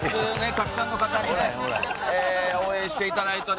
たくさんの方にね応援していただいております。